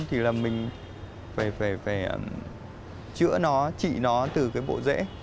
thì là mình phải chữa nó trị nó từ cái bộ dễ